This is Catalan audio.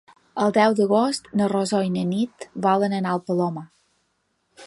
El deu d'agost na Rosó i na Nit volen anar al Palomar.